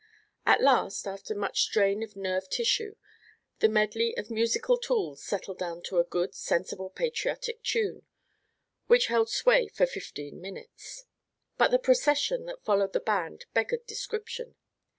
At last, after much strain of nerve tissue, the medley of musical tools settled down to a good, sensible patriotic tune, which held sway for fifteen minutes. But the procession that followed the band beggared description.